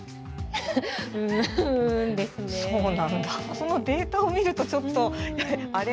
このデータを見るとちょっとあれ？